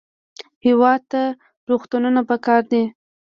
هېواد ته روغتونونه پکار دي